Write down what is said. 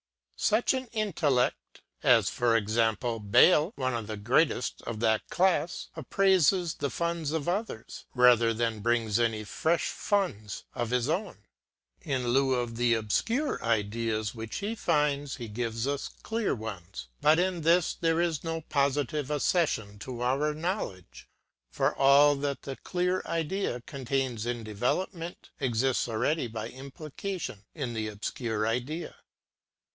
Such an intellect, as for example Bayle, one of the greatest of that class, appraises the funds of others, rather than brings any fresh funds of his own. In lieu of the obscure ideas which he finds he gives us clear ones: but in this there is no positive accession to our knowledge; for all that the clear idea contains in development exists already by implication in the obscure idea.